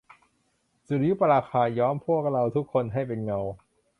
สุริยุปราคาย้อมพวกเราทุกคนให้เป็นเงา